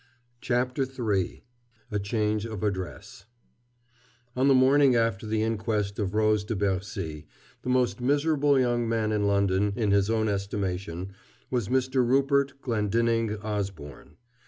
CHAPTER III A CHANGE OF ADDRESS On the morning after the inquest on Rose de Bercy, the most miserable young man in London, in his own estimation, was Mr. Rupert Glendinning Osborne.